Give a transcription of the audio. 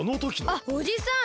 あっおじさん！